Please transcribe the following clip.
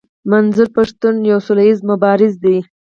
منظور پښتين يو سوله ايز مبارز دی.